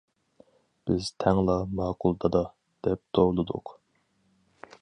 بىز تەڭلا« ماقۇل دادا» دەپ توۋلىدۇق.